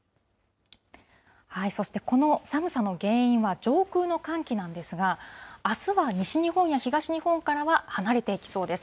そしてこの寒さの原因は、上空の寒気なんですが、あすは西日本や東日本からは離れていきそうです。